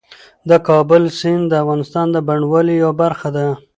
د کابل سیند د افغانستان د بڼوالۍ یوه برخه ده.